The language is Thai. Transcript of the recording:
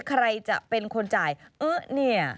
ใครจะเป็นคนจ่ายเอ๊ะเนี่ย